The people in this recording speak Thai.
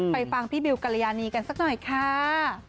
ฟังพี่บิวกรยานีกันสักหน่อยค่ะ